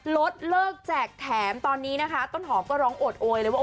ลดเลิกแจกแถมตอนนี้นะคะต้นหอมก็ร้องโอดโอยเลยว่า